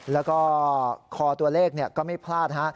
แล้วก็คอตัวเลขก็ไม่พลาดฮะ